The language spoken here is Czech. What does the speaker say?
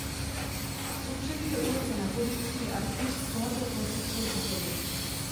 V průčelí do ulice Na Poříčí je arkýř s bohatou plastickou výzdobou.